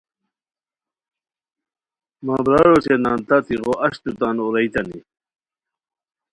مہ برار اوچے نان تت ایغو اچتو تان اوبریتانی